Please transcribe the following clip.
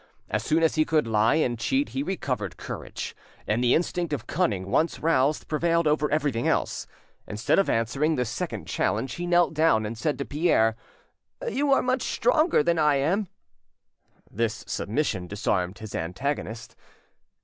As soon as he could lie and cheat he recovered courage, and the instinct of cunning, once roused, prevailed over everything else. Instead of answering this second challenge, he knelt down and said to Pierre— "You are much stronger than I am." This submission disarmed his antagonist.